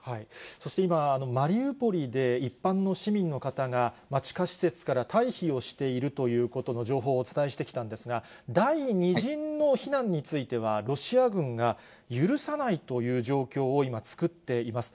そして今、マリウポリで一般の市民の方が、地下施設から退避をしているということの情報をお伝えしてきたんですが、第２陣の避難については、ロシア軍が許さないという状況を今、作っています。